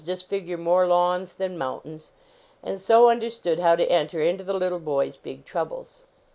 ARN disfigure m<>re lawns than mountains, and so understood how to enter into the little boy s big troubles.